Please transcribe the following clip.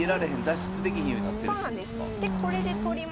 脱出できひんようになってるってことですか？